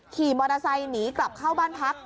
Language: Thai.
ขี่มอเตอร์ไซค์หนีกลับเข้าบ้านพัก